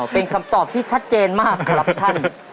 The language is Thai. เป็นคำตอบที่ชัดเจนมากครับท่าน